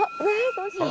どうしよう？